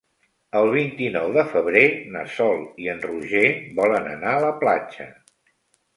El vint-i-nou de febrer na Sol i en Roger volen anar a la platja.